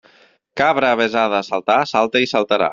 Cabra avesada a saltar salta i saltarà.